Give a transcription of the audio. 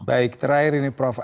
baik terakhir ini prof